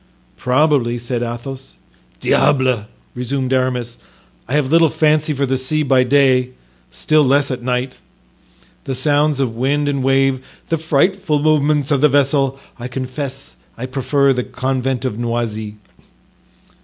"Probably," said Athos. "Diable!" resumed Aramis, "I have little fancy for the sea by day, still less at night; the sounds of wind and wave, the frightful movements of the vessel; I confess I prefer the convent of Noisy."